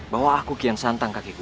bahwa aku kian santan kakek guru